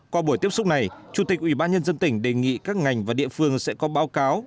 qua buổi tiếp xúc này chủ tịch ubnd tỉnh đề nghị các ngành và địa phương sẽ có báo cáo